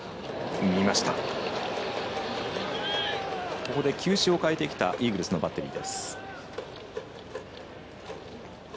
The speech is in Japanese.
ここで球種を変えてきたイーグルスのバッテリー。